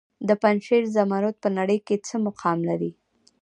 د پنجشیر زمرد په نړۍ کې څه مقام لري؟